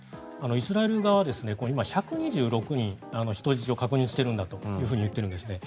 イスラエル側は今、１２６人人質を確認しているんだと言っているんですね。